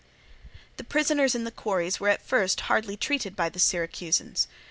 The prisoners in the quarries were at first hardly treated by the Syracusans.